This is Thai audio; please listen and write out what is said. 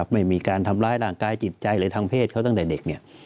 ไม่มีการทำร้ายร่างกายจิตใจหรือทางเพศเขาตั้งแต่เด็ก